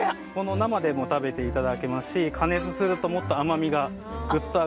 生でも食べていただけますし加熱するともっと甘みがぐっと上がってくる。